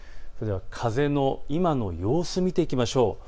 風の今の様子を見ていきましょう。